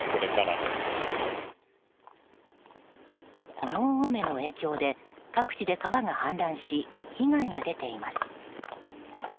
この大雨の影響で各地で川が氾濫し被害が出ています。